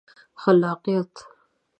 خلاقیت